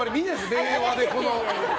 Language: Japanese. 令和でこの。